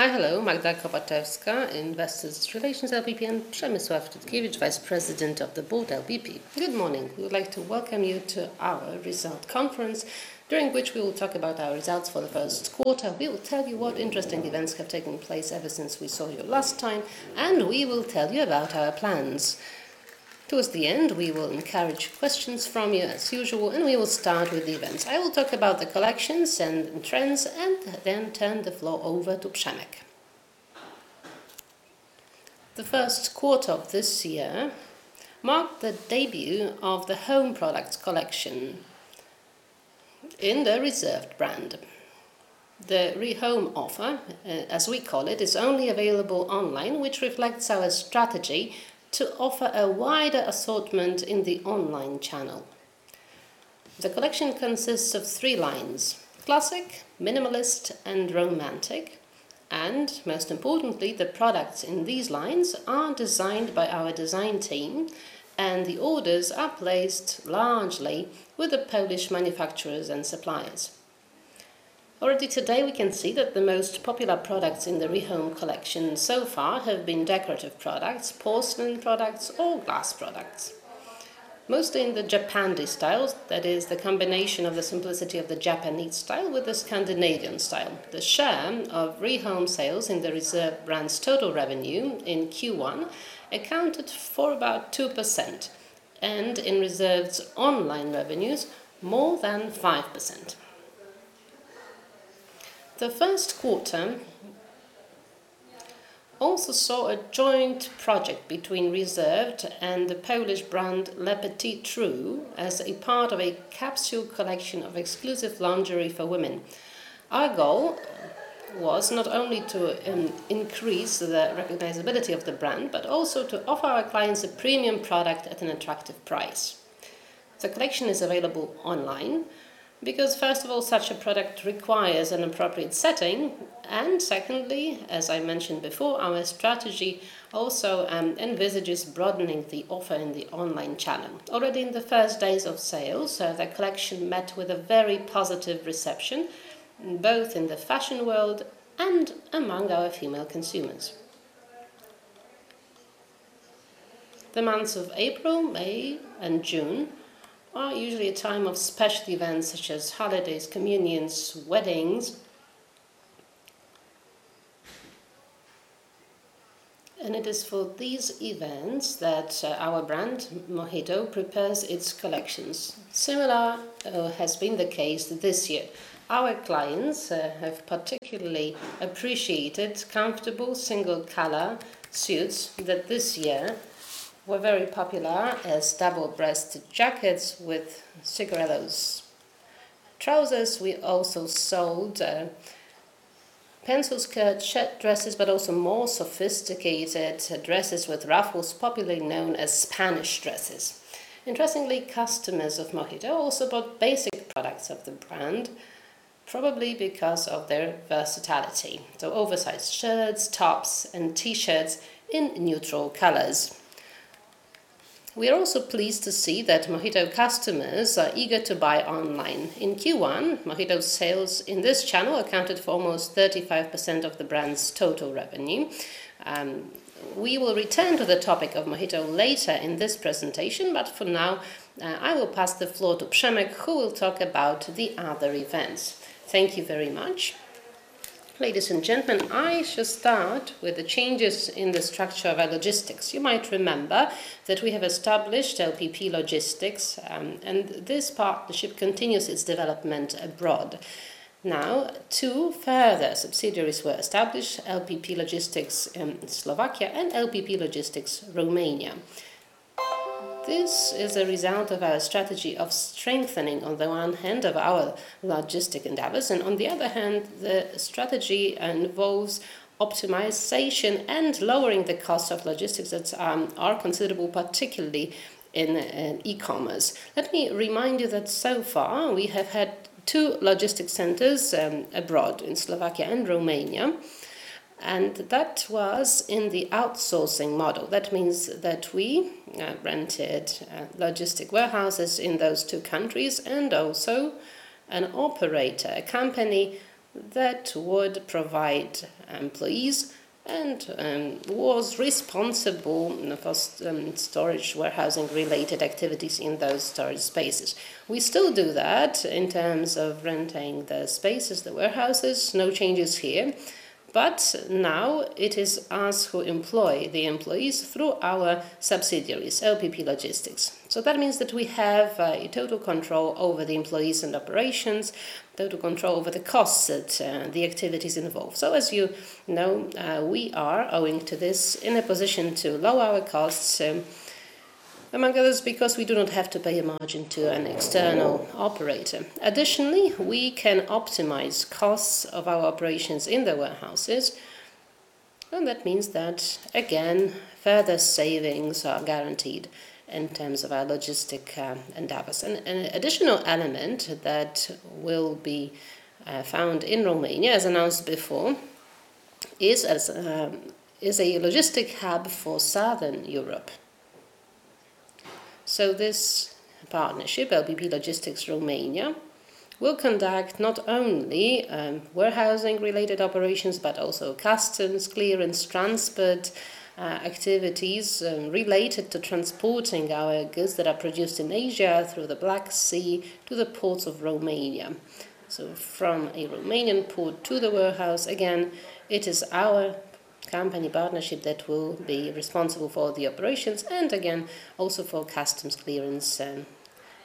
Hi, hello. Magdalena Kopaczewska, Investor Relations, LPP, and Przemyslaw Lutkiewicz, Vice President of the Management Board, LPP. Good morning. We would like to welcome you to our result conference, during which we will talk about our results for the first quarter. We will tell you what interesting events have taken place ever since we saw you last time. We will tell you about our plans. Towards the end, we will encourage questions from you as usual. We will start with the events. I will talk about the collections and trends and then turn the floor over to Przemek. The first quarter of this year marked the debut of the home products collection in the Reserved brand. The ReHome offer, as we call it, is only available online, which reflects our strategy to offer a wider assortment in the online channel. The collection consists of three lines: classic, minimalist, and romantic. Most importantly, the products in these lines are designed by our design team, and the orders are placed largely with the Polish manufacturers and suppliers. Already today, we can see that the most popular products in the ReHome collection so far have been decorative products, porcelain products, or glass products. Mostly in the Japandi style, that is the combination of the simplicity of the Japanese style with the Scandinavian style. The share of ReHome sales in the Reserved brand's total revenue in Q1 accounted for about 2%, and in Reserved's online revenues, more than 5%. The first quarter also saw a joint project between Reserved and the Polish brand Le Petit Trou, as a part of a capsule collection of exclusive lingerie for women. Our goal was not only to increase the recognizability of the brand, but also to offer our clients a premium product at an attractive price. The collection is available online because, first of all, such a product requires an appropriate setting, and secondly, as I mentioned before, our strategy also envisages broadening the offer in the online channel. Already in the first days of sale, the collection met with a very positive reception, both in the fashion world and among our female consumers. The months of April, May, and June are usually a time of special events such as holidays, communions, weddings. It is for these events that our brand, MOHITO, prepares its collections. Similar has been the case this year. Our clients have particularly appreciated comfortable single-color suits that this year were very popular as double-breasted jackets with cigarette trousers. Trousers, we also sold pencil skirt, shirt dresses, but also more sophisticated dresses with ruffles, popularly known as Spanish dresses. Interestingly, customers of MOHITO also bought basic products of the brand, probably because of their versatility, so oversized shirts, tops, and T-shirts in neutral colors. We are also pleased to see that MOHITO customers are eager to buy online. In Q1, MOHITO's sales in this channel accounted for almost 35% of the brand's total revenue. We will return to the topic of MOHITO later in this presentation, but for now, I will pass the floor to Przemek, who will talk about the other events. Thank you very much. Ladies and gentlemen, I should start with the changes in the structure of our logistics. You might remember that we have established LPP Logistics, and this partnership continues its development abroad. Now, two further subsidiaries were established: LPP Logistics in Slovakia and LPP Logistics Romania. This is a result of our strategy of strengthening, on the one hand, of our logistic endeavors, and on the other hand, the strategy involves optimization and lowering the cost of logistics that are considerable, particularly in e-commerce. Let me remind you that so far, we have had two logistic centers abroad, in Slovakia and Romania, and that was in the outsourcing model. That means that we rented logistic warehouses in those two countries and also an operator, a company that would provide employees and was responsible for storage, warehousing-related activities in those storage spaces. We still do that in terms of renting the spaces, the warehouses, no changes here, but now it is us who employ the employees through our subsidiaries, LPP Logistics. That means that we have total control over the employees and operations, total control over the costs that the activities involve. As you know, we are, owing to this, in a position to lower our costs, among others, because we do not have to pay a margin to an external operator. Additionally, we can optimize costs of our operations in the warehouses, and that means that, again, further savings are guaranteed in terms of our logistic endeavors. An additional element that will be found in Romania, as announced before, is as is a logistic hub for Southern Europe. This partnership, LPP Logistics Romania, will conduct not only warehousing-related operations, but also customs, clearance, transport activities related to transporting our goods that are produced in Asia through the Black Sea to the ports of Romania. From a Romanian port to the warehouse, again, it is our company partnership that will be responsible for the operations, and again, also for customs clearance,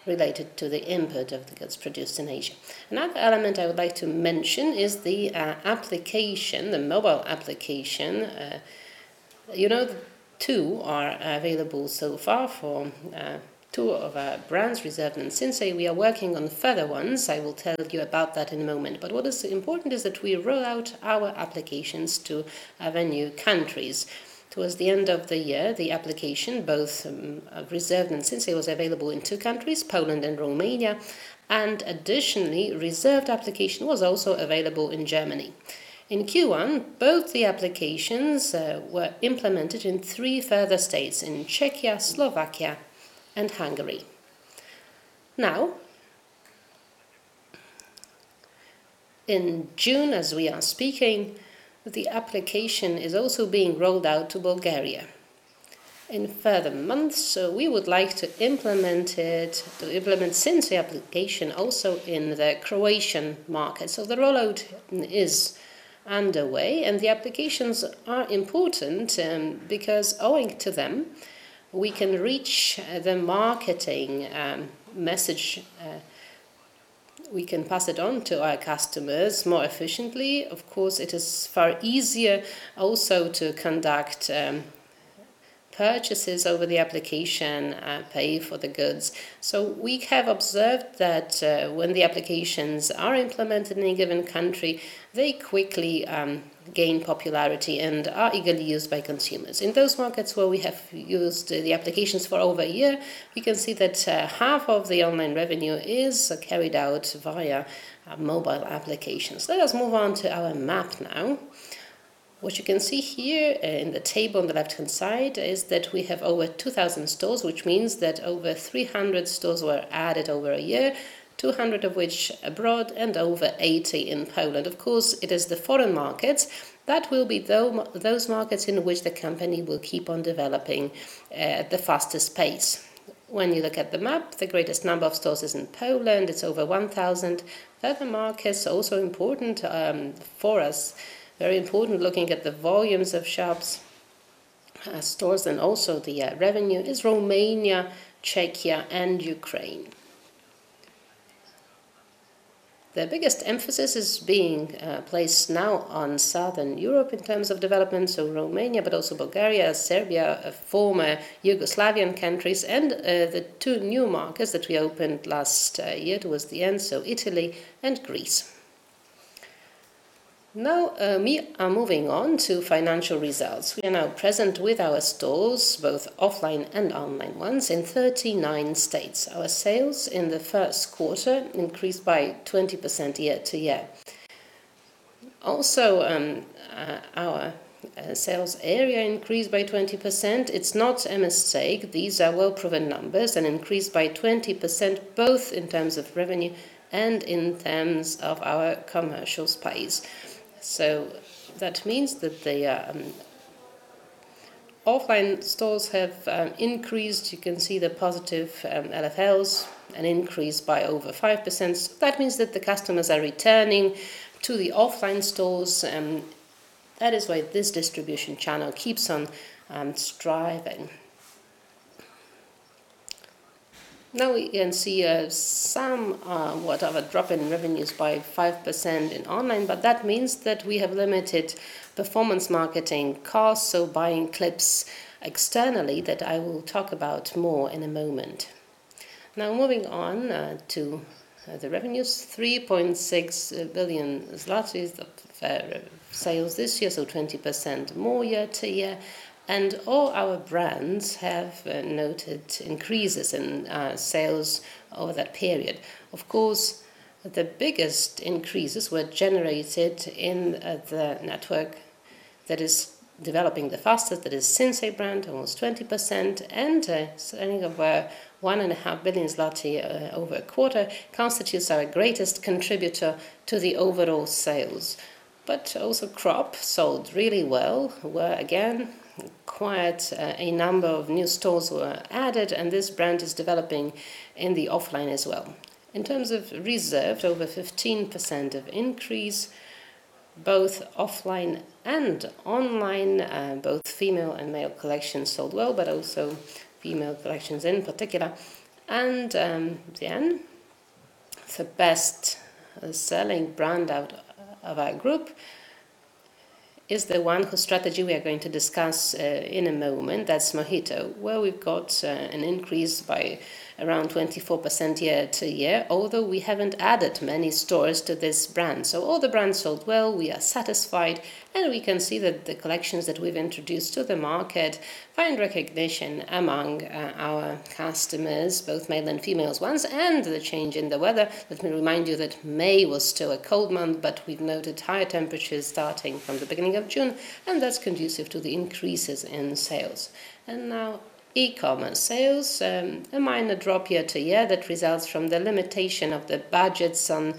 related to the input of the goods produced in Asia. Another element I would like to mention is the application, the mobile application. You know, two are available so far for two of our brands, Reserved and Sinsay. We are working on further ones. I will tell you about that in a moment. What is important is that we roll out our applications to our new countries. Towards the end of the year, the application, both, Reserved and Sinsay, was available in two countries, Poland and Romania, and additionally, Reserved application was also available in Germany. In Q1, both the applications were implemented in three further states: in Czechia, Slovakia, and Hungary. Now, in June, as we are speaking, the application is also being rolled out to Bulgaria. In further months, we would like to implement it, to implement Sinsay application also in the Croatian market. The rollout is underway, and the applications are important because owing to them, we can reach the marketing message, we can pass it on to our customers more efficiently. Of course, it is far easier also to conduct purchases over the application and pay for the goods. We have observed that when the applications are implemented in a given country, they quickly gain popularity and are eagerly used by consumers. In those markets where we have used the applications for over a year, we can see that half of the online revenue is carried out via mobile applications. Let us move on to our map now. What you can see here in the table on the left-hand side is that we have over 2,000 stores, which means that over 300 stores were added over a year, 200 of which abroad and over 80 in Poland. Of course, it is the foreign markets that will be those markets in which the company will keep on developing at the fastest pace. When you look at the map, the greatest number of stores is in Poland, it's over 1,000. Other markets, also important for us, very important, looking at the volumes of shops, stores, and also the revenue, is Romania, Czechia, and Ukraine. The biggest emphasis is being placed now on Southern Europe in terms of development, so Romania, but also Bulgaria, Serbia, former Yugoslavian countries, the two new markets that we opened last year towards the end, so Italy and Greece. We are moving on to financial results. We are now present with our stores, both offline and online ones, in 39 states. Our sales in the first quarter increased by 20% year-to-year. Our sales area increased by 20%. It's not a mistake. These are well-proven numbers, an increase by 20%, both in terms of revenue and in terms of our commercial space. That means that the offline stores have increased. You can see the positive LFLs, an increase by over 5%. That means that the customers are returning to the offline stores, and that is why this distribution channel keeps on striving. We can see some drop in revenues by 5% in online, but that means that we have limited performance marketing costs, so buying clips externally that I will talk about more in a moment. Moving on to the revenues, 3.6 billion zlotys of sales this year, so 20% more year-to-year, and all our brands have noted increases in sales over that period. Of course, the biggest increases were generated in the network that is developing the fastest, that is Sinsay brand, almost 20%, and selling of 1.5 billion zloty over a quarter, constitutes our greatest contributor to the overall sales. Also Cropp sold really well, where, again, quite a number of new stores were added, and this brand is developing in the offline as well. In terms of Reserved, over 15% of increase, both offline and online. Both female and male collections sold well, but also female collections in particular. The best-selling brand out of our group is the one whose strategy we are going to discuss in a moment. That's MOHITO, where we've got an increase by around 24% year to year, although we haven't added many stores to this brand. All the brands sold well, we are satisfied, and we can see that the collections that we've introduced to the market find recognition among our customers, both male and females ones, and the change in the weather. Let me remind you that May was still a cold month, but we've noted higher temperatures starting from the beginning of June, and that's conducive to the increases in sales. Now, e-commerce sales, a minor drop year-over-year that results from the limitation of the budgets on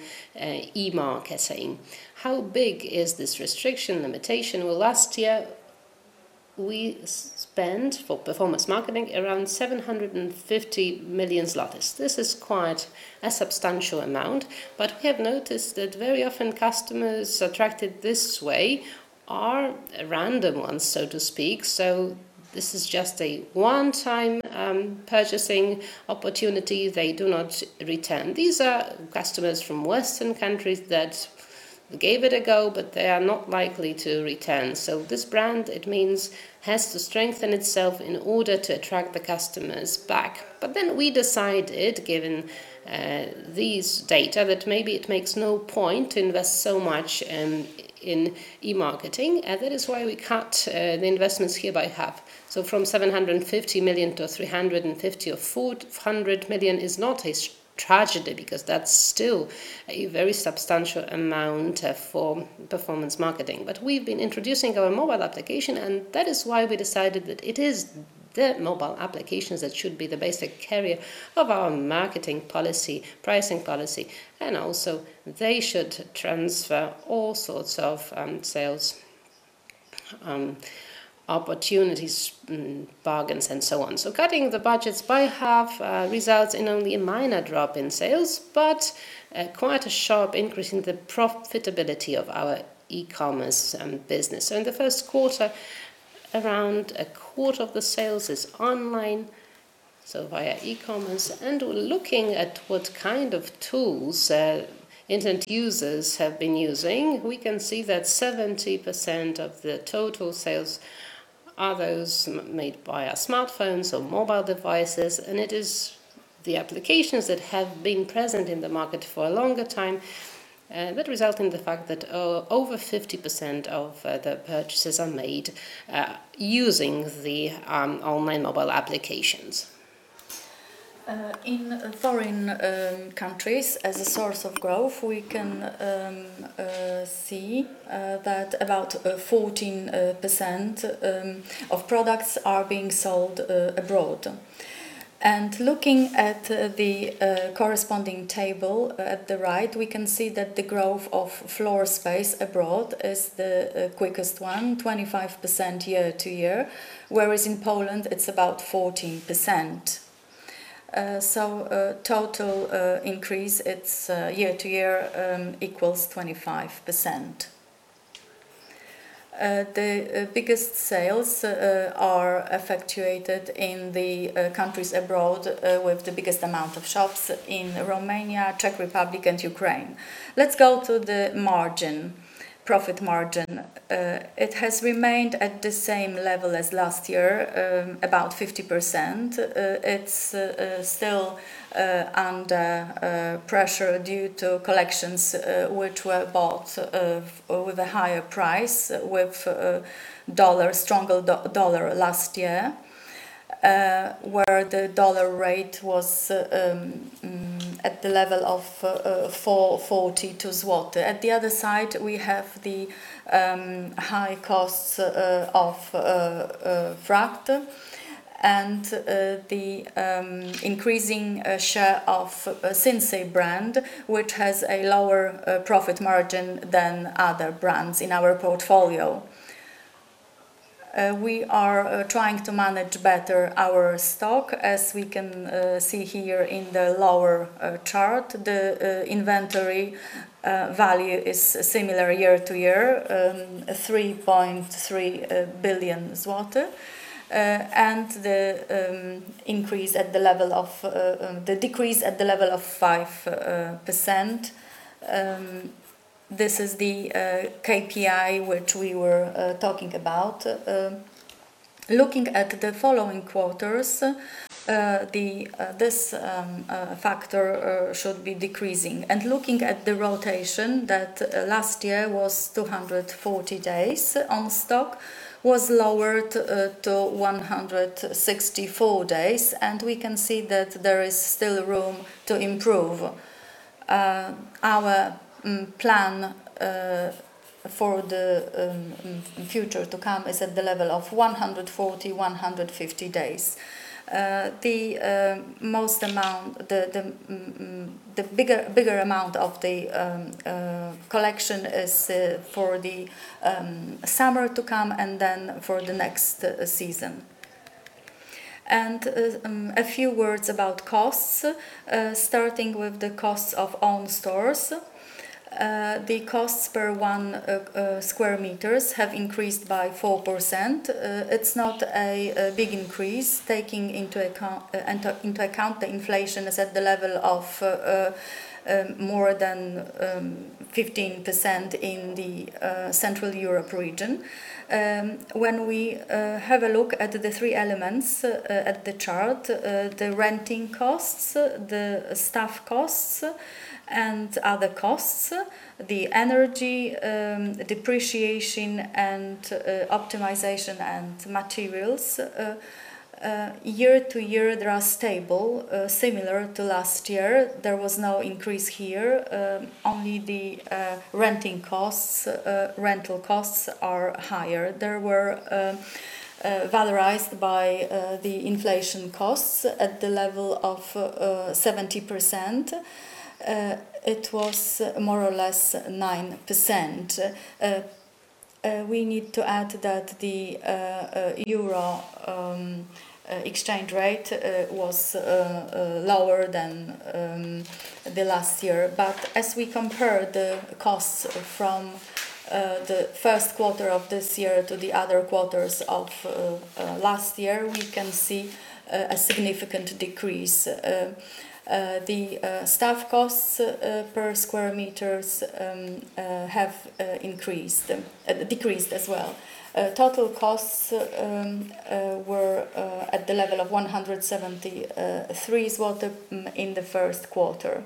e-marketing. How big is this restriction, limitation?... we spend for performance marketing around 750 million zlotys. This is quite a substantial amount, but we have noticed that very often customers attracted this way are random ones, so to speak. This is just a one-time purchasing opportunity; they do not return. These are customers from Western countries that gave it a go, but they are not likely to return. This brand, it means, has to strengthen itself in order to attract the customers back. We decided, given these data, that maybe it makes no point to invest so much in e-marketing, and that is why we cut the investments here by half. From 750 million-350 million or 400 million is not a tragedy, because that's still a very substantial amount for performance marketing. We've been introducing our mobile application, and that is why we decided that it is the mobile applications that should be the basic carrier of our marketing policy, pricing policy, and also they should transfer all sorts of sales opportunities, bargains, and so on. Cutting the budgets by half results in only a minor drop in sales, but quite a sharp increase in the profitability of our e-commerce business. In the first quarter, around a quarter of the sales is online, so via e-commerce. Looking at what kind of tools internet users have been using, we can see that 70% of the total sales are those made via smartphones or mobile devices, and it is the applications that have been present in the market for a longer time that result in the fact that over 50% of the purchases are made using the online mobile applications. In foreign countries, as a source of growth, we can see that about 14% of products are being sold abroad. Looking at the corresponding table at the right, we can see that the growth of floor space abroad is the quickest one, 25% year-over-year, whereas in Poland it's about 14%. Total increase, it's year-over-year, equals 25%. The biggest sales are effectuated in the countries abroad, with the biggest amount of shops in Romania, Czech Republic, and Ukraine. Let's go to the margin, profit margin. It has remained at the same level as last year, about 50%. It's still under pressure due to collections, which were bought with a higher price, with dollar, stronger dollar last year, where the dollar rate was at the level of 4.42. At the other side, we have the high costs of freight and the increasing share of Sinsay brand, which has a lower profit margin than other brands in our portfolio. We are trying to manage better our stock. As we can see here in the lower chart, the inventory value is similar year to year, 3.3 billion zloty. The decrease at the level of 5%, this is the KPI which we were talking about. Looking at the following quarters, this factor should be decreasing. Looking at the rotation, that last year was 240 days on stock, was lowered to 164 days, and we can see that there is still room to improve. Our plan for the future to come is at the level of 140-150 days. The bigger amount of the collection is for the summer to come, and then for the next season. A few words about costs. Starting with the costs of own stores. The costs per one square meters have increased by 4%. It's not a big increase, taking into account the inflation is at the level of more than 15% in the Central Europe region. When we have a look at the three elements at the chart, the renting costs, the staff costs, and other costs, the energy, depreciation, optimization, and materials, year to year, they are stable. Similar to last year, there was no increase here, only the renting costs, rental costs are higher. They were valorized by the inflation costs at the level of 70%. It was more or less 9%. We need to add that the euro exchange rate was lower than the last year. As we compare the costs from the first quarter of this year to the other quarters of last year, we can see a significant decrease. The staff costs per square meters have decreased as well. Total costs were at the level of 173 in the first quarter.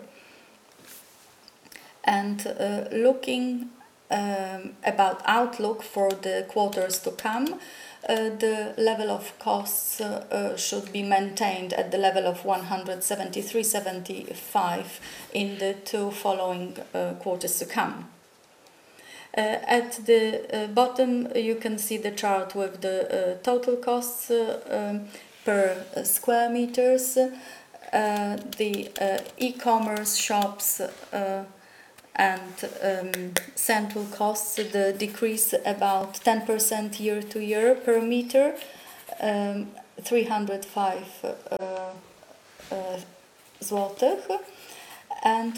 Looking about outlook for the quarters to come, the level of costs should be maintained at the level of 173-175 in the two following quarters to come. At the bottom, you can see the chart with the total costs per square meters. The e-commerce shops and central costs, the decrease about 10% year-over-year per meter, 305.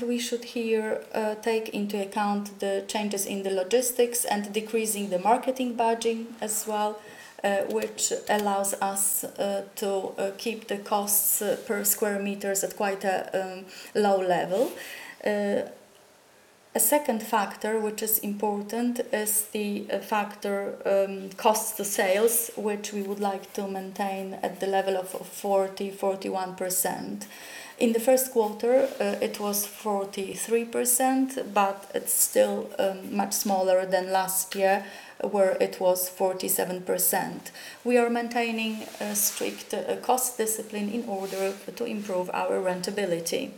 We should here take into account the changes in the logistics and decreasing the marketing budget as well, which allows us to keep the costs per square meters at quite a low level. A second factor, which is important, is the factor cost to sales, which we would like to maintain at the level of 40%-41%. In the first quarter, it was 43%, it's still much smaller than last year, where it was 47%. We are maintaining a strict cost discipline in order to improve our rentability.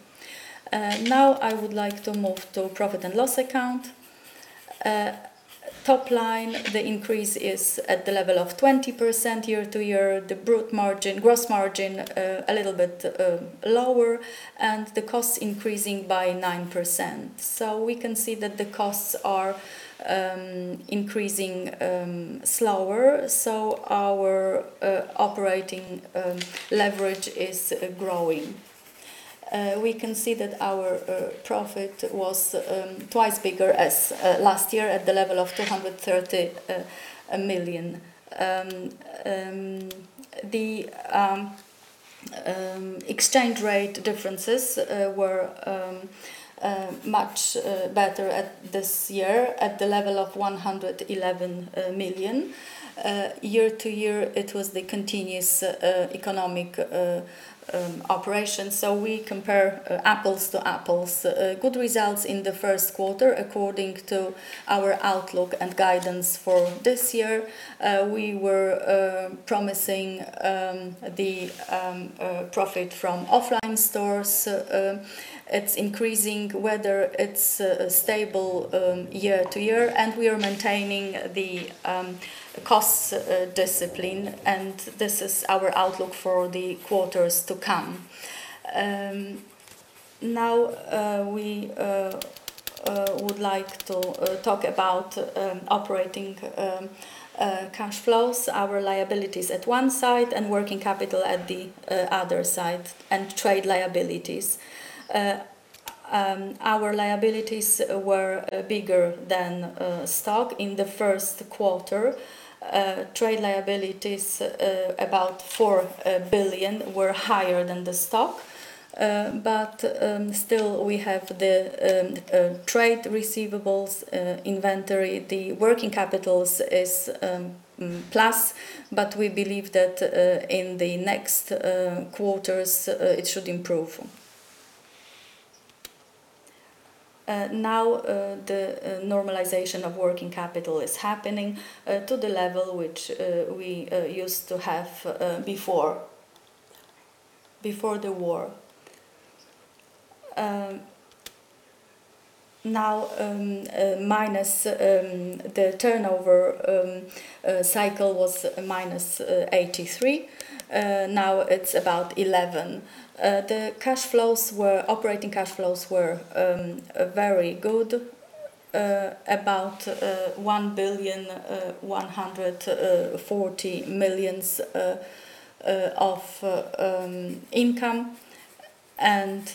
Now, I would like to move to profit and loss account. Top line, the increase is at the level of 20% year-over-year. The brute margin, gross margin, a little bit lower, and the costs increasing by 9%. We can see that the costs are increasing slower, so our operating leverage is growing. We can see that our profit was twice bigger as last year at the level of 230 million. The exchange rate differences were much better at this year at the level of 111 million. Year-to-year, it was the continuous economic operation, we compare apples to apples. Good results in the first quarter according to our outlook and guidance for this year. We were promising the profit from offline stores. It's increasing whether it's stable year-to-year, we are maintaining the costs discipline, this is our outlook for the quarters to come. Now, we would like to talk about operating cash flows, our liabilities at one side and working capital at the other side, and trade liabilities. Our liabilities were bigger than stock in the first quarter. Trade liabilities, about 4 billion, were higher than the stock. Still, we have the trade receivables, inventory. The working capitals is plus. We believe that in the next quarters, it should improve. Now, the normalization of working capital is happening to the level which we used to have before the war. Now, minus the turnover cycle was minus 83. Now it's about 11. The cash flows were... Operating cash flows were very good, about PLN 1 billion 140 million of income, and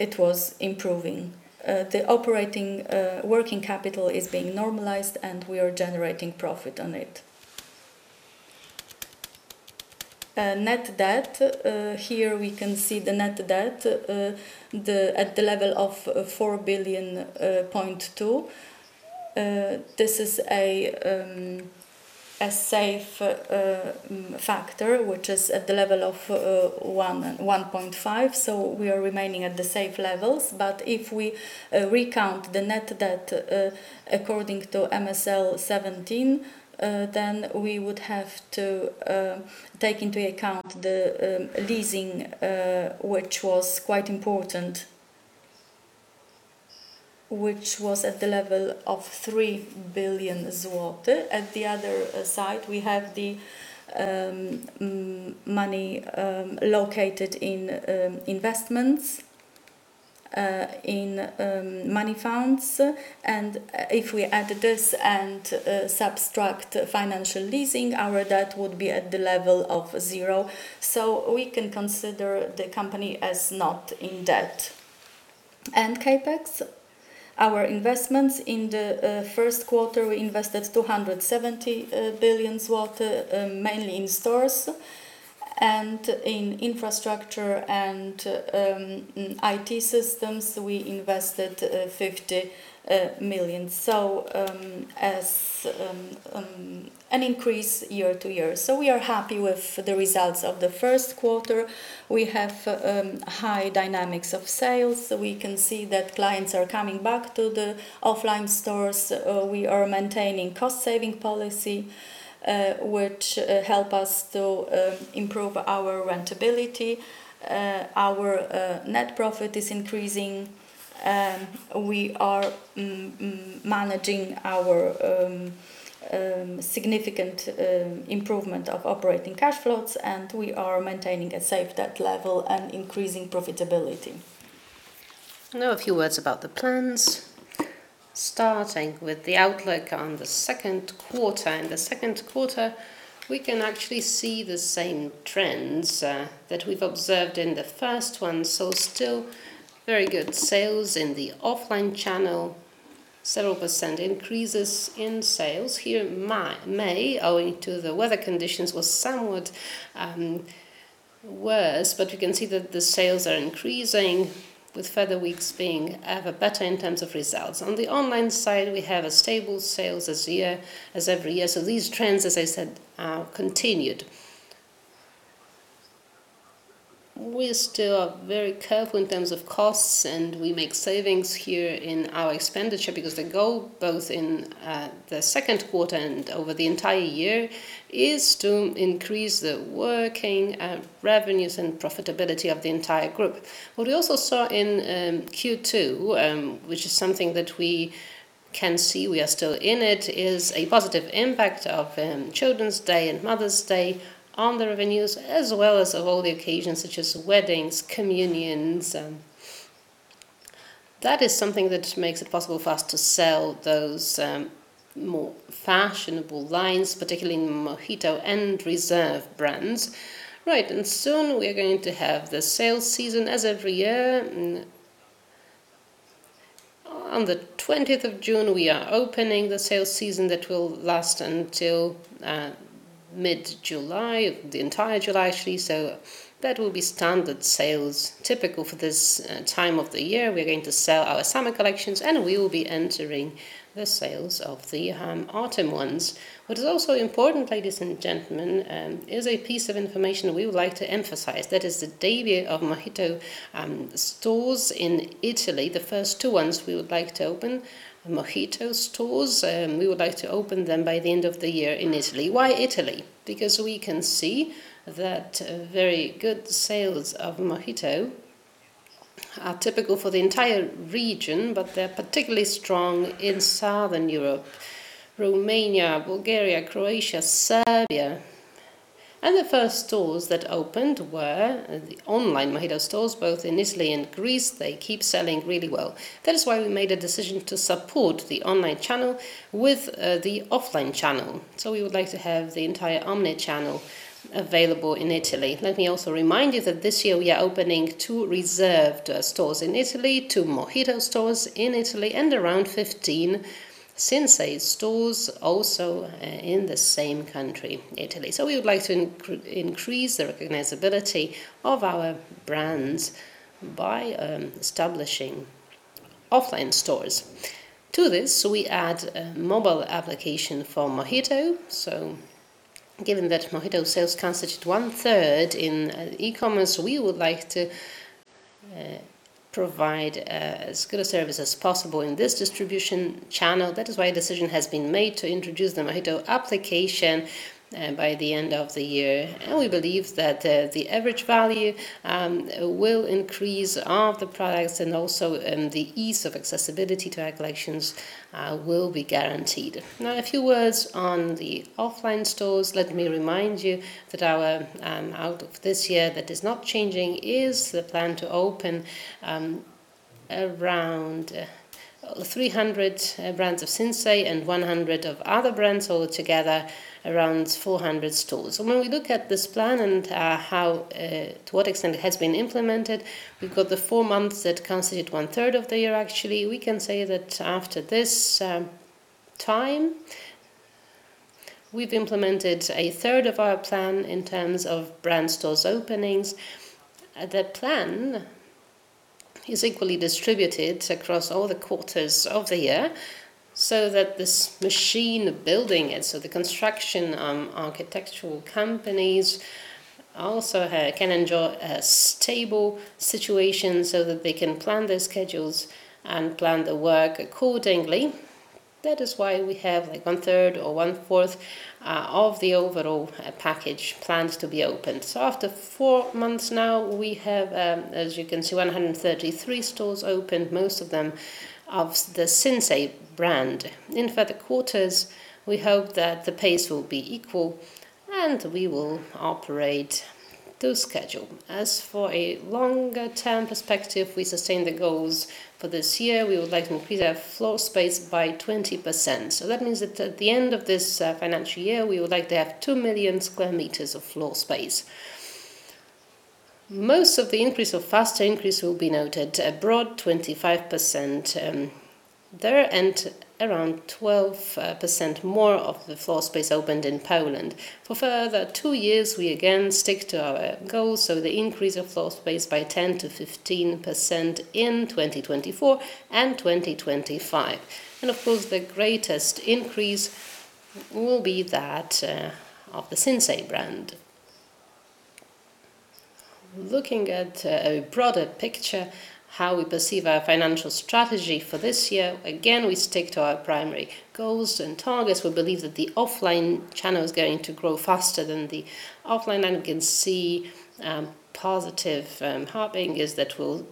it was improving. The operating working capital is being normalized, and we are generating profit on it. Net debt. Here we can see the net debt at the level of 4.2 billion. This is a safe factor, which is at the level of 1.5, so we are remaining at the safe levels. If we recount the net debt according to MSR 17, then we would have to take into account the leasing, which was quite important, which was at the level of 3 billion zloty. PLN billion. At the other side, we have the money located in investments in money funds. If we add this and subtract financial leasing, our debt would be at the level of 0. We can consider the company as not in debt. CapEx, our investments in the first quarter, we invested 270 billion zloty mainly in stores and in infrastructure and IT systems, we invested 50 million as an increase year-over-year. We are happy with the results of the first quarter. We have high dynamics of sales, so we can see that clients are coming back to the offline stores. We are maintaining cost-saving policy, which help us to improve our rentability. our net profit is increasing, we are managing our significant improvement of operating cash flows, and we are maintaining a safe debt level and increasing profitability. A few words about the plans. Starting with the outlook on the second quarter. In the second quarter, we can actually see the same trends that we've observed in the first one, so still very good sales in the offline channel. Several % increases in sales. Here, May, owing to the weather conditions, was somewhat worse, but we can see that the sales are increasing, with further weeks being ever better in terms of results. On the online side, we have a stable sales as year, as every year, so these trends, as I said, are continued. We still are very careful in terms of costs, and we make savings here in our expenditure because the goal, both in the second quarter and over the entire year, is to increase the working revenues and profitability of the entire group. What we also saw in Q2, which is something that we can see we are still in it, is a positive impact of Children's Day and Mother's Day on the revenues, as well as of all the occasions such as weddings, communions. That is something that makes it possible for us to sell those more fashionable lines, particularly in MOHITO and Reserved brands. Right, soon we are going to have the sales season as every year. On the 20th of June, we are opening the sales season that will last until mid-July, the entire July, actually. That will be standard sales, typical for this time of the year. We're going to sell our summer collections, and we will be entering the sales of the autumn ones. What is also important, ladies and gentlemen, is a piece of information we would like to emphasize. That is the debut of MOHITO stores in Italy. The first two ones we would like to open, MOHITO stores, we would like to open them by the end of the year in Italy. Why Italy? Because we can see that very good sales of MOHITO are typical for the entire region, but they're particularly strong in Southern Europe, Romania, Bulgaria, Croatia, Serbia. The first stores that opened were the online MOHITO stores, both in Italy and Greece. They keep selling really well. That is why we made a decision to support the online channel with the offline channel. We would like to have the entire omnichannel available in Italy. Let me also remind you that this year we are opening two Reserved stores in Italy, two MOHITO stores in Italy, and around 15 Sinsay stores also in the same country, Italy. We would like to increase the recognizability of our brands by establishing offline stores. To this, we add a mobile application for MOHITO. Given that MOHITO sales constitute one-third in e-commerce, we would like to provide as good a service as possible in this distribution channel. That is why a decision has been made to introduce the MOHITO application, by the end of the year, we believe that the average value will increase of the products and also the ease of accessibility to our collections will be guaranteed. Now, a few words on the offline stores. Let me remind you that our out of this year, that is not changing, is the plan to open around 300 brands of Sinsay and 100 of other brands, all together, around 400 stores. When we look at this plan and how to what extent it has been implemented, we've got the four months that constitute one-third of the year actually. We can say that after this time, we've implemented a third of our plan in terms of brand stores openings. The plan is equally distributed across all the quarters of the year, so that this machine building it, the construction, architectural companies also can enjoy a stable situation so that they can plan their schedules and plan the work accordingly. That is why we have, like, one-third or one-fourth of the overall package plans to be opened. After four months now, we have, as you can see, 133 stores opened, most of them of the Sinsay brand. In further quarters, we hope that the pace will be equal. We will operate to schedule. For a longer-term perspective, we sustain the goals for this year. We would like to increase our floor space by 20%. That means that at the end of this financial year, we would like to have 2 million square meters of floor space. Most of the increase or faster increase will be noted abroad, 25% there, and around 12% more of the floor space opened in Poland. For further two years, we again stick to our goals, so the increase of floor space by 10%-15% in 2024 and 2025. Of course, the greatest increase will be that of the Sinsay brand. Looking at a broader picture, how we perceive our financial strategy for this year, again, we stick to our primary goals and targets. We believe that the offline channel is going to grow faster than the offline, we can see positive harbingers that will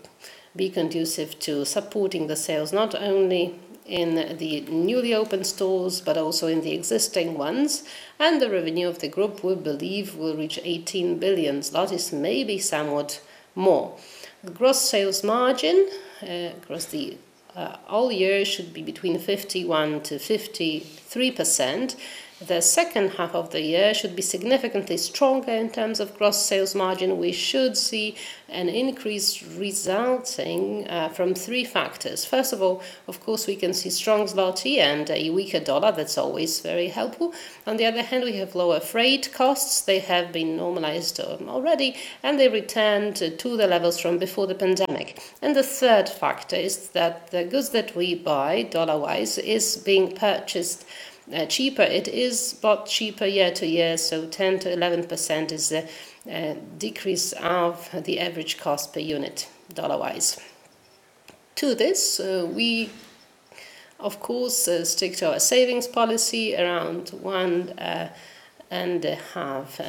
be conducive to supporting the sales, not only in the newly opened stores, but also in the existing ones. The revenue of the group, we believe, will reach 18 billion. That is maybe somewhat more. The gross sales margin, across the all year, should be between 51%-53%. The second half of the year should be significantly stronger in terms of gross sales margin. We should see an increase resulting from three factors. First of all, of course, we can see strong złoty and a weaker dollar. That's always very helpful. On the other hand, we have lower freight costs. They have been normalized already, they returned to the levels from before the pandemic. The third factor is that the goods that we buy, dollar-wise, is being purchased, cheaper. It is bought cheaper year to year, so 10%-11% is the decrease of the average cost per unit, dollar-wise. To this, we of course, stick to our savings policy, around one and a half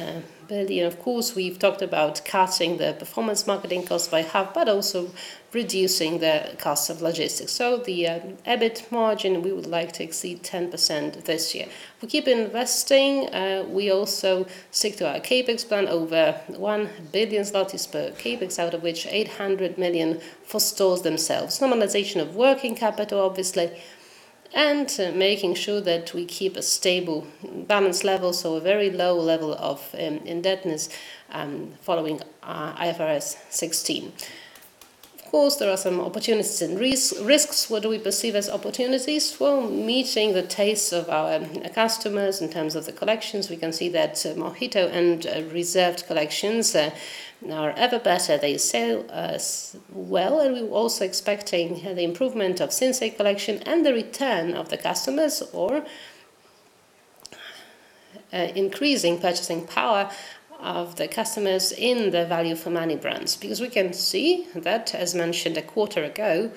billion. Of course, we've talked about cutting the performance marketing cost by half, but also reducing the cost of logistics. The EBIT margin, we would like to exceed 10% this year. We keep investing, we also stick to our CapEx plan, over 1 billion zlotys per CapEx, out of which 800 million for stores themselves. Normalization of working capital, obviously, and making sure that we keep a stable balance level, so a very low level of indebtedness, following IFRS 16. Of course, there are some opportunities and risks. What do we perceive as opportunities? Well, meeting the tastes of our customers in terms of the collections. We can see that MOHITO and Reserved collections are ever better. They sell well, and we're also expecting the improvement of Sinsay collection and the return of the customers, or increasing purchasing power of the customers in the value for money brands. We can see that, as mentioned a quarter ago,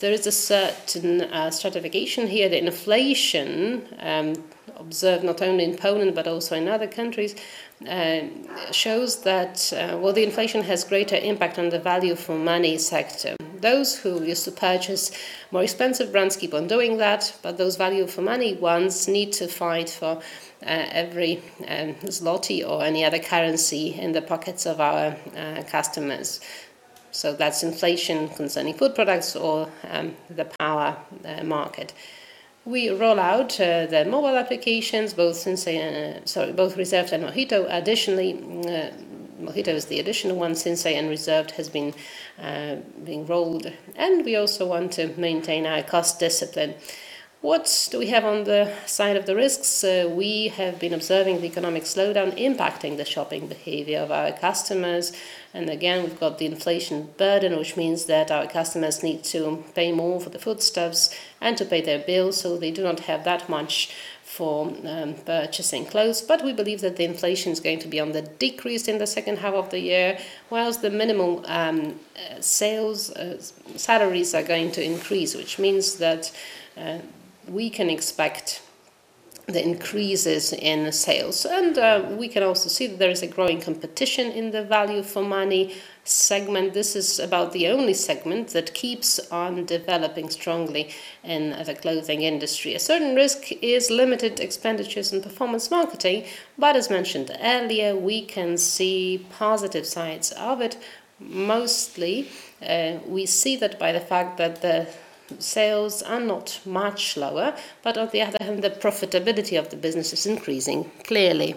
there is a certain stratification here. The inflation, observed not only in Poland but also in other countries, shows that, well, the inflation has greater impact on the value for money sector. Those who used to purchase more expensive brands keep on doing that, but those value for money ones need to fight for every złoty or any other currency in the pockets of our customers. That's inflation concerning food products or the power market. We roll out the mobile applications, both Reserved and MOHITO. Additionally, MOHITO is the additional one; Sinsay and Reserved has been being rolled. We also want to maintain our cost discipline. What do we have on the side of the risks? We have been observing the economic slowdown impacting the shopping behavior of our customers. Again, we've got the inflation burden, which means that our customers need to pay more for the foodstuffs and to pay their bills, so they do not have that much for purchasing clothes. We believe that the inflation is going to be on the decrease in the second half of the year, whilst the minimum sales salaries are going to increase, which means that we can expect the increases in sales. We can also see that there is a growing competition in the value for money segment. This is about the only segment that keeps on developing strongly in the clothing industry. A certain risk is limited expenditures in performance marketing, but as mentioned earlier, we can see positive sides of it. Mostly, we see that by the fact that the sales are not much lower, but on the other hand, the profitability of the business is increasing clearly.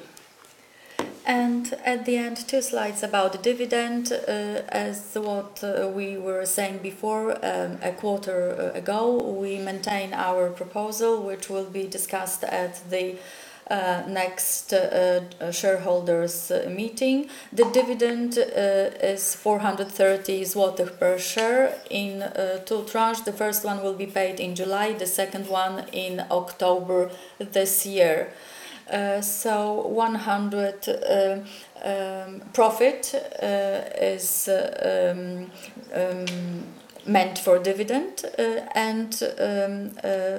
At the end, two slides about the dividend. As what we were saying before, a quarter ago, we maintain our proposal, which will be discussed at the next shareholders meeting. The dividend is 430 zloty per share in two tranches. The first one will be paid in July, the second one in October this year. One hundred profit is-... meant for dividend, and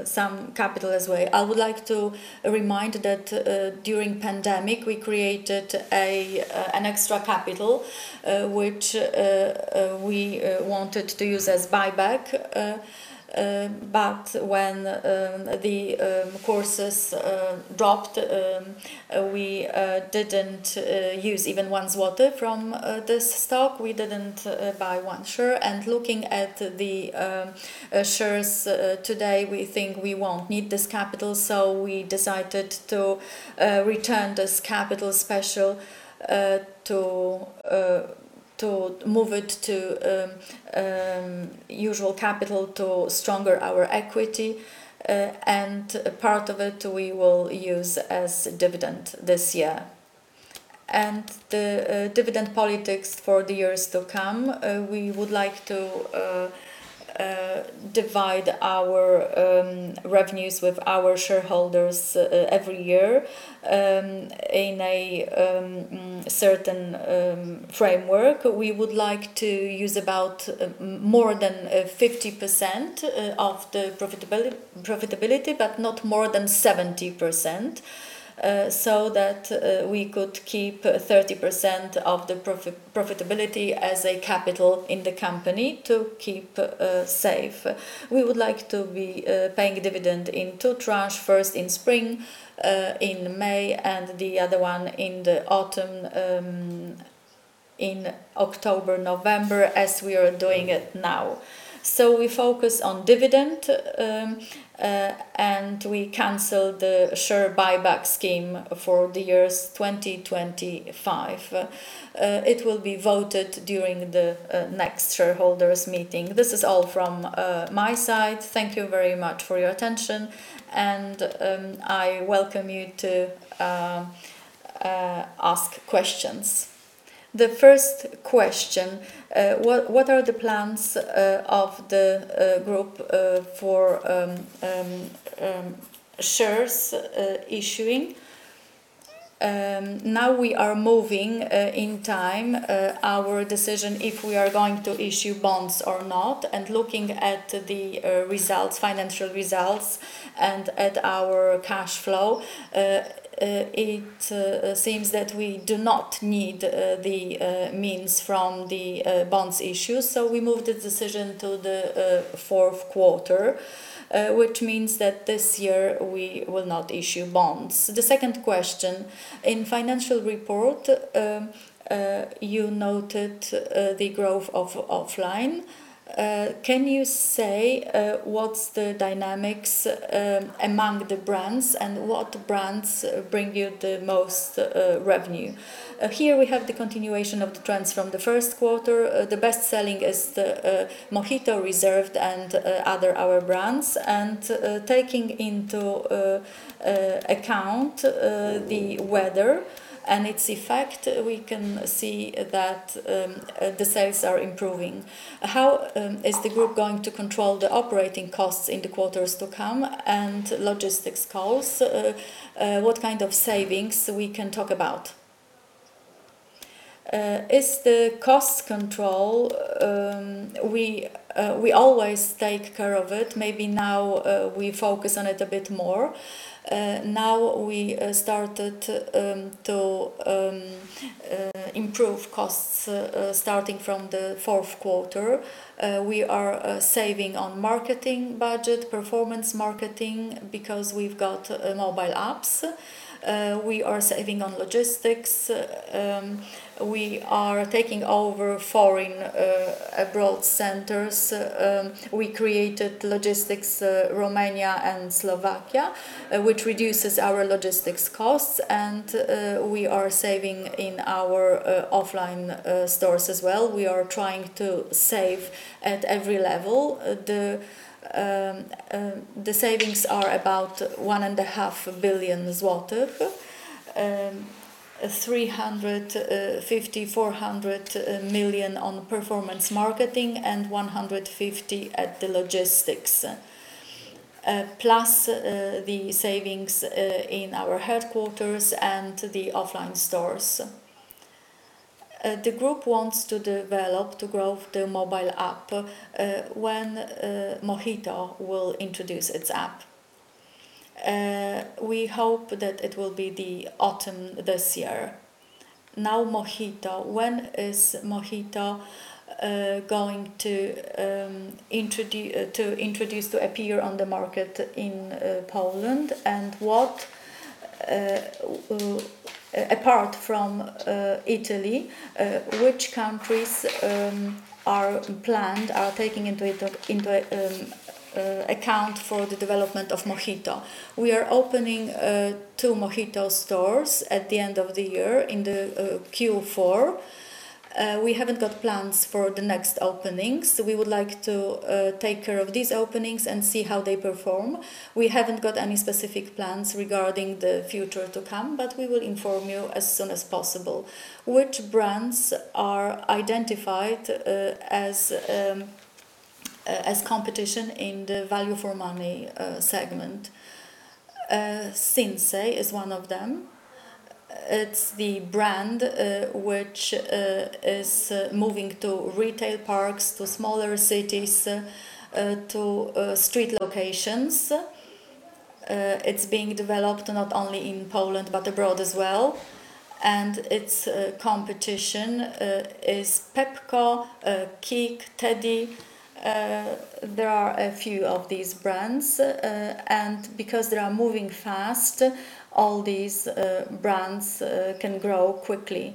some capital as well. I would like to remind that during pandemic, we created an extra capital, which we wanted to use as buyback. When the courses dropped, we didn't use even one złoty from this stock. We didn't buy one share. Looking at the shares today, we think we won't need this capital, so we decided to return this capital special to move it to usual capital to stronger our equity, and part of it we will use as dividend this year. The dividend politics for the years to come, we would like to divide our revenues with our shareholders every year in a certain framework. We would like to use about more than 50% of the profitability, but not more than 70%, so that we could keep 30% of the profitability as a capital in the company to keep safe. We would like to be paying dividend in two tranche: first, in spring, in May, and the other one in the autumn, in October, November, as we are doing it now. We focus on dividend, and we cancel the share buyback scheme for the years 2025. It will be voted during the next shareholders meeting. This is all from my side. Thank you very much for your attention. I welcome you to ask questions. The first question: what are the plans of the group for shares issuing? Now we are moving in time our decision if we are going to issue bonds or not, and looking at the results, financial results and at our cash flow, it seems that we do not need the means from the bonds issues, so we moved the decision to the fourth quarter, which means that this year we will not issue bonds. The second question: in financial report, you noted the growth of offline. Can you say what's the dynamics among the brands and what brands bring you the most revenue? Here we have the continuation of the trends from the first quarter. The best-selling is the MOHITO, Reserved, and other our brands. Taking into account the weather and its effect, we can see that the sales are improving. How is the group going to control the operating costs in the quarters to come and logistics costs? What kind of savings we can talk about? Is the cost control we always take care of it. Maybe now we focus on it a bit more. Now we started to improve costs starting from the fourth quarter. We are saving on marketing budget, performance marketing, because we've got mobile apps. We are saving on logistics. We are taking over foreign abroad centers. We created logistics Romania and Slovakia, which reduces our logistics costs, and we are saving in our offline stores as well. We are trying to save at every level. The savings are about one and a half billion złoty, 350 million-400 million on performance marketing and 150 at the logistics, plus the savings in our headquarters and the offline stores. The group wants to develop, to grow the mobile app. When MOHITO will introduce its app? We hope that it will be the autumn this year. Now, MOHITO. When is MOHITO going to introduce, to appear on the market in Poland, and what, apart from Italy, which countries are taking into account for the development of MOHITO? We are opening two MOHITO stores at the end of the year in the Q4. We haven't got plans for the next openings. We would like to take care of these openings and see how they perform. We haven't got any specific plans regarding the future to come. We will inform you as soon as possible. Which brands are identified as competition in the value for money segment? Sinsay is one of them. It's the brand which is moving to retail parks, to smaller cities, to street locations. It's being developed not only in Poland, but abroad as well. Its competition is Pepco, KiK, TEDi. There are a few of these brands, and because they are moving fast, all these brands can grow quickly.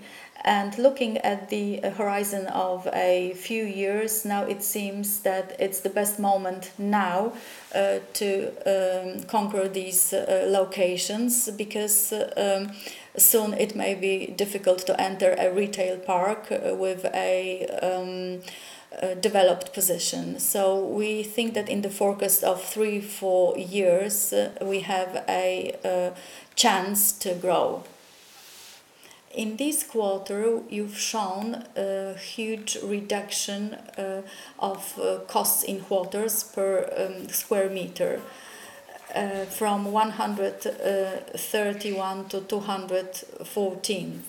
Looking at the horizon of a few years now, it seems that it's the best moment now to conquer these locations, because soon it may be difficult to enter a retail park with a developed position. We think that in the forecast of three, four years, we have a chance to grow. In this quarter, you've shown a huge reduction of costs in quarters per square meter from 131 to 214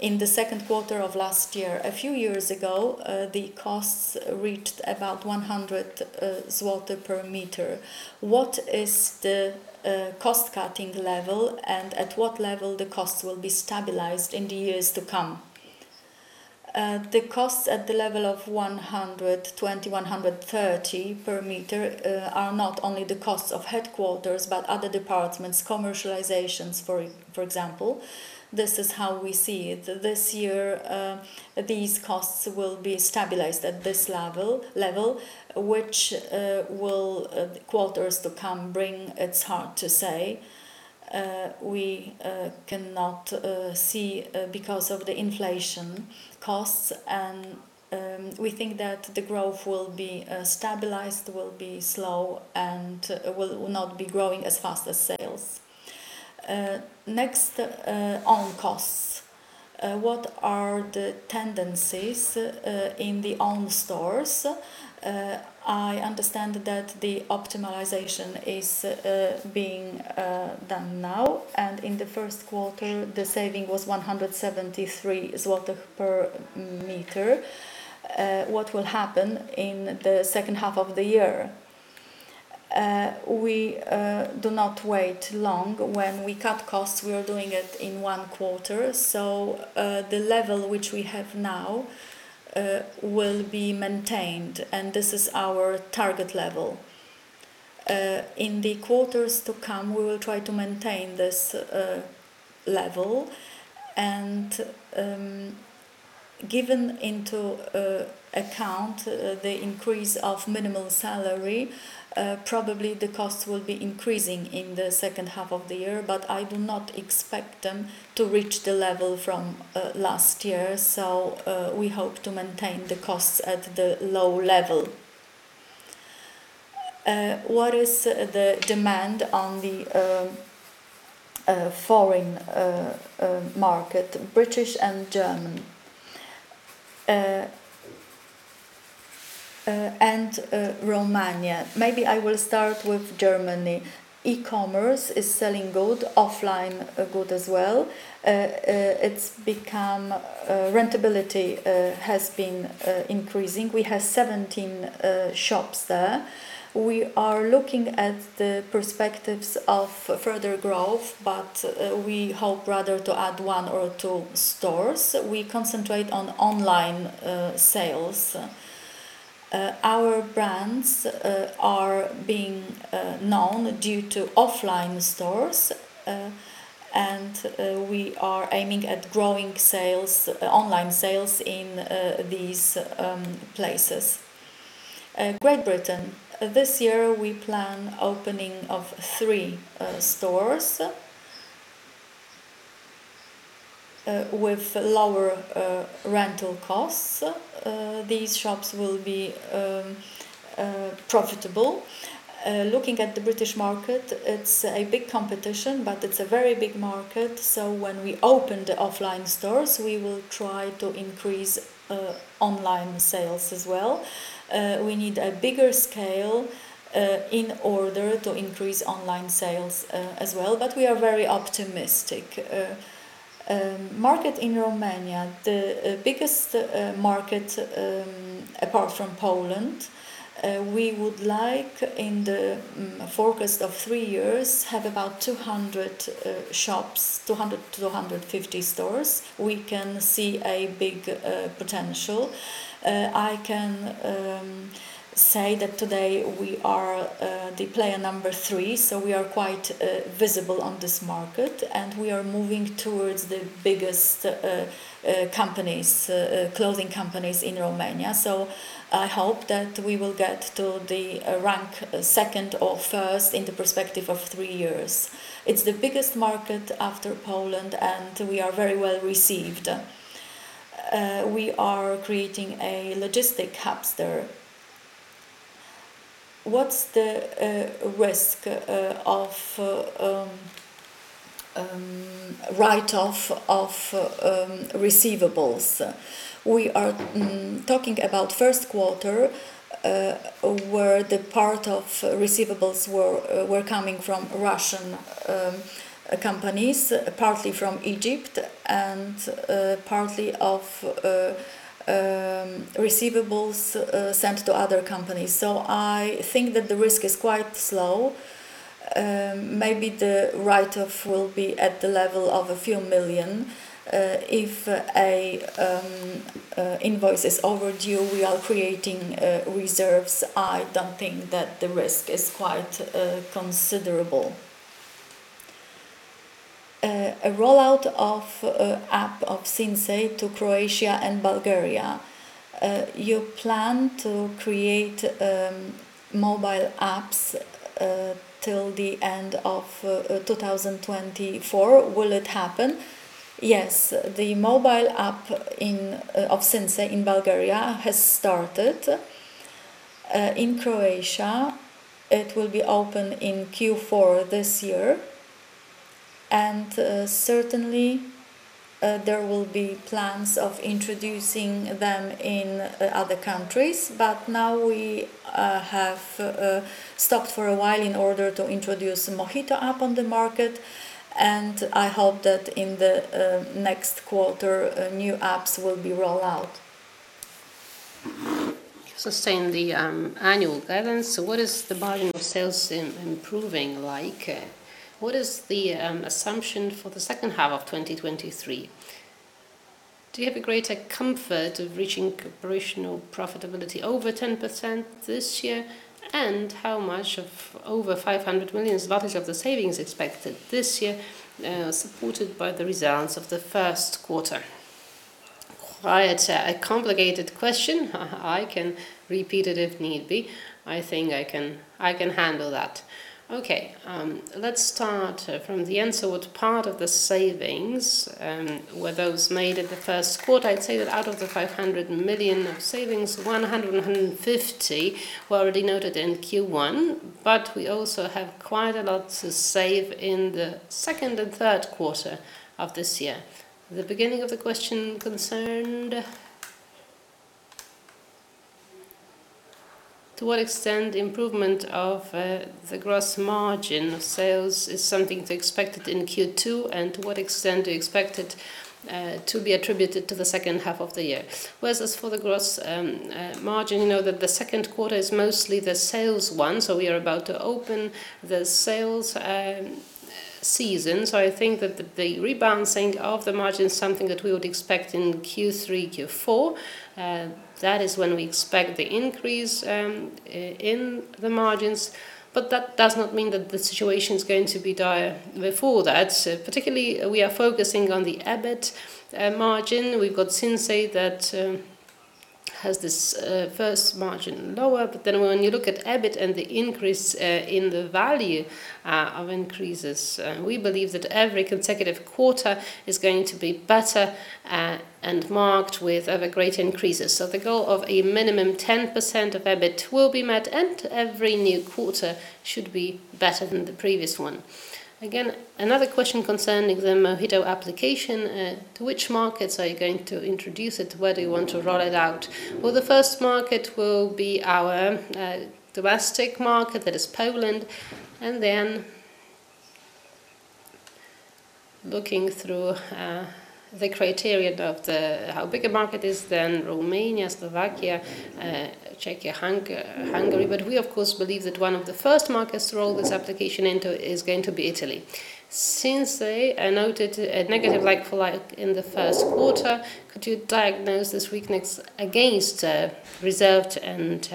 in the second quarter of last year. A few years ago, the costs reached about 100 zloty per meter. What is the cost-cutting level, and at what level the costs will be stabilized in the years to come? The costs at the level of 120, 130 per meter are not only the costs of headquarters, but other departments, commercializations, for example. This is how we see it. This year, these costs will be stabilized at this level, which will quarters to come bring? It's hard to say. use of the inflation costs. We think that the growth will be stabilized, will be slow, and will not be growing as fast as sales. Next on costs, what are the tendencies in the own stores? I understand that the optimization is being done now, and in the first quarter, the saving was 173 zloty per meter. What will happen in the second half of the year? We do not wait long. When we cut costs, we are doing it in one quarter, so the level which we have now will be maintained, and this is our target level. In the quarters to come, we will try to maintain this level. Given into account the increase of minimum salary, probably the cost will be increasing in the second half of the year, but I do not expect them to reach the level from last year. We hope to maintain the costs at the low level. What is the demand on the foreign market, British and Germany, and Romania? Maybe I will start with Germany. E-commerce is selling good, offline good as well. Rentability has been increasing. We have 17 shops there. We are looking at the perspectives of further growth, but we hope rather to add one or two stores. We concentrate on online sales. Our brands are being known due to offline stores, and we are aiming at growing sales, online sales in these places. Great Britain. This year, we plan opening of three stores with lower rental costs. These shops will be profitable. Looking at the British market, it's a big competition, but it's a very big market, so when we open the offline stores, we will try to increase online sales as well. We need a bigger scale in order to increase online sales as well, but we are very optimistic. Market in Romania, the biggest market apart from Poland, we would like, in the forecast of three years, have about 200 shops, 200 stores-250 stores. We can see a big potential. I can say that today we are the player number three, so we are quite visible on this market, and we are moving towards the biggest companies, clothing companies in Romania. I hope that we will get to the rank second or first in the perspective of three years. It's the biggest market after Poland, and we are very well received. We are creating a logistic hubs there. What's the risk of write-off of receivables? We are talking about first quarter, where the part of receivables were coming from Russian companies, partly from Egypt, and partly of receivables sent to other companies. I think that the risk is quite slow. Maybe the write-off will be at the level of a few million. If a invoice is overdue, we are creating reserves. I don't think that the risk is quite considerable. A rollout of app of Sinsay to Croatia and Bulgaria. You plan to create mobile apps till the end of 2024. Will it happen? Yes. The mobile app of Sinsay in Bulgaria has started. In Croatia, it will be open in Q4 this year. Certainly, there will be plans of introducing them in other countries, but now we have stopped for a while in order to introduce the MOHITO app on the market. I hope that in the next quarter, new apps will be rolled out. Saying the annual guidance, what is the volume of sales improving like? What is the assumption for the second half of 2023? Do you have a greater comfort of reaching operational profitability over 10% this year? How much of over 500 million of the savings expected this year, supported by the results of the first quarter? Quite a complicated question. I can repeat it if need be. I think I can handle that. Okay, let's start from the end. What part of the savings were those made in the first quarter? I'd say that out of the 500 million of savings, 150 were already noted in Q1, but we also have quite a lot to save in the second and third quarter of this year. The beginning of the question concerned to what extent improvement of the gross margin of sales is something to expect in Q2, and to what extent do you expect it to be attributed to the second half of the year? Well, as for the gross margin, you know that the second quarter is mostly the sales one, so we are about to open the sales season. I think that the rebouncing of the margin is something that we would expect in Q3, Q4. That is when we expect the increase in the margins, but that does not mean that the situation is going to be dire before that. Particularly, we are focusing on the EBIT margin. We've got Sinsay that has this first margin lower, but then when you look at EBIT and the increase in the value of increases, we believe that every consecutive quarter is going to be better and marked with other great increases. The goal of a minimum 10% of EBIT will be met, and every new quarter should be better than the previous one. Another question concerning the MOHITO application, to which markets are you going to introduce it? Where do you want to roll it out? The first market will be our domestic market, that is Poland, and then looking through the criteria of how big a market is, then Romania, Slovakia, Czechia, Hungary, but we of course, believe that one of the first markets to roll this application into is going to be Italy. Sinsay, I noted a negative like-for-like in the first quarter, could you diagnose this weakness against Reserved and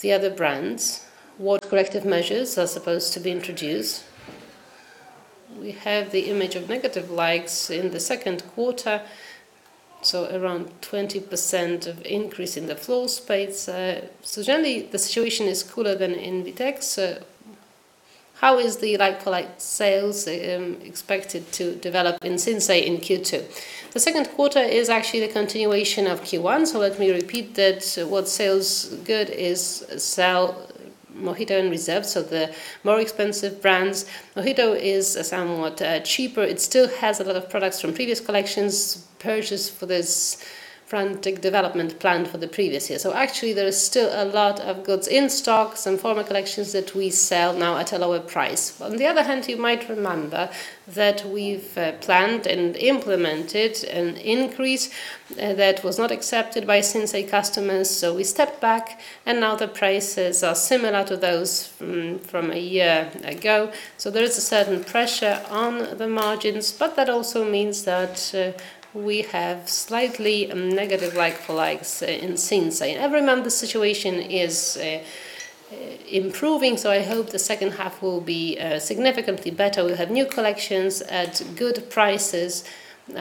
the other brands? What corrective measures are supposed to be introduced? We have the image of negative likes in the second quarter, so around 20% of increase in the floor space. Generally, the situation is cooler than in the Vinted. How is the like-for-like sales expected to develop in Sinsay in Q2? The second quarter is actually the continuation of Q1. Let me repeat that what sells good is sell MOHITO and Reserved, the more expensive brands. MOHITO is somewhat cheaper. It still has a lot of products from previous collections, purchased for this frantic development plan for the previous year. Actually, there is still a lot of goods in stocks and former collections that we sell now at a lower price. On the other hand, you might remember that we've planned and implemented an increase that was not accepted by Sinsay customers. We stepped back, now the prices are similar to those from a year ago. There is a certain pressure on the margins. That also means that we have slightly negative like-for-likes in Sinsay. I remember the situation is improving, so I hope the second half will be significantly better. We'll have new collections at good prices,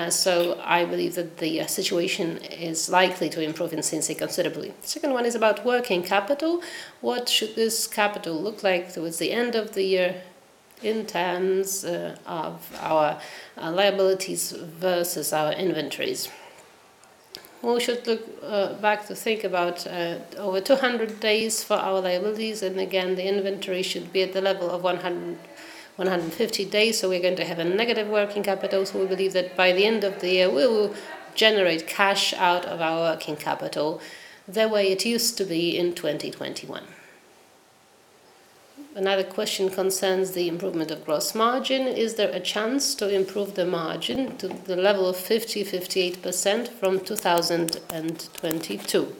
so I believe that the situation is likely to improve in Sinsay considerably. The second one is about working capital. What should this capital look like towards the end of the year in terms of our liabilities versus our inventories? We should look back to think about over 200 days for our liabilities, and again, the inventory should be at the level of 100-150 days, so we're going to have a negative working capital. We believe that by the end of the year, we will generate cash out of our working capital, the way it used to be in 2021. Another question concerns the improvement of gross margin. Is there a chance to improve the margin to the level of 50%-58% from 2022?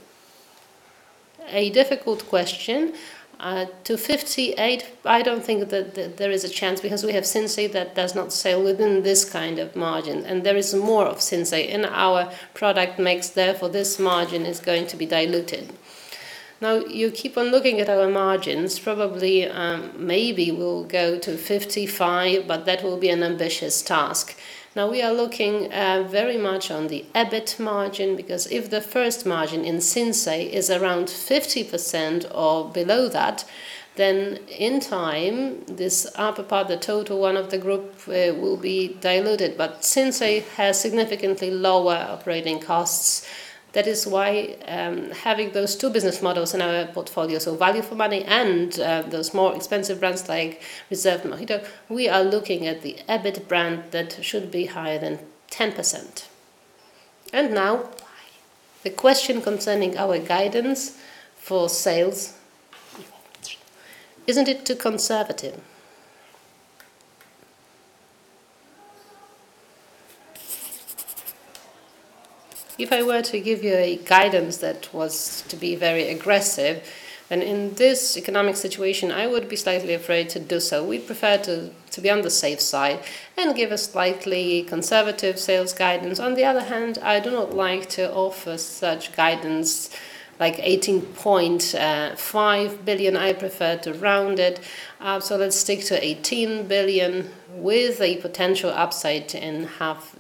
A difficult question. To 58%, I don't think that there is a chance because we have Sinsay that does not sell within this kind of margin, and there is more of Sinsay in our product mix, therefore, this margin is going to be diluted. You keep on looking at our margins, probably, maybe we'll go to 55%, but that will be an ambitious task. We are looking very much on the EBIT margin, because if the first margin in Sinsay is around 50% or below that, then in time, this upper part, the total one of the group, will be diluted. Sinsay has significantly lower operating costs. That is why, having those two business models in our portfolio, so value for money and, those more expensive brands like Reserved and MOHITO, we are looking at the EBIT brand that should be higher than 10%. Now, the question concerning our guidance for sales, isn't it too conservative? If I were to give you a guidance that was to be very aggressive, and in this economic situation, I would be slightly afraid to do so. We prefer to be on the safe side and give a slightly conservative sales guidance. On the other hand, I do not like to offer such guidance like 18.5 billion. I prefer to round it, let's stick to 18 billion with a potential upside in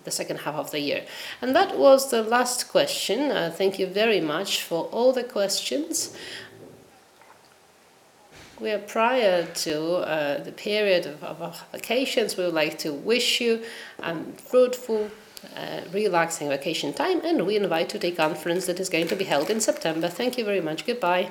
the second half of the year. That was the last question. Thank you very much for all the questions. We are prior to the period of vacations, we would like to wish you a fruitful, relaxing vacation time. We invite you to the conference that is going to be held in September. Thank you very much. Goodbye.